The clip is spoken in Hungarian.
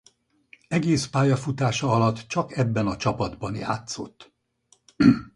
Egész pályafutása alatt csak ebben a csapatban játszott.